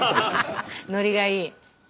ノリがいい！